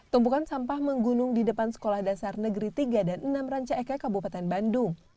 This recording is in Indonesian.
tumpukan sampah menggunung di depan sekolah dasar negeri tiga dan enam ranca eke kabupaten bandung